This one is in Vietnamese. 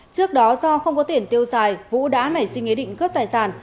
trước đó do không có tiền tiêu xài vũ đã nảy sinh ý định cướp tài sản